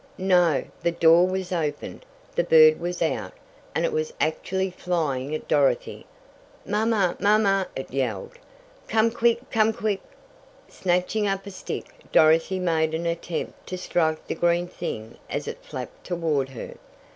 No, the door was opened, the bird was out, and it was actually flying at Dorothy! "Mama! Mama!" it yelled. "Come quick! Come quick!" Snatching up a stick, Dorothy made an attempt to strike the green thing as it flapped toward her.